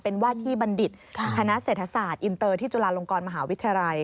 เป็นว่าที่บัณฑิตคณะเศรษฐศาสตร์อินเตอร์ที่จุฬาลงกรมหาวิทยาลัย